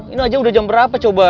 ini aja udah jam berapa coba